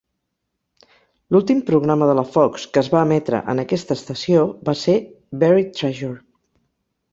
L'últim programa de la Fox que es va emetre en aquesta estació va ser "Buried Treasure".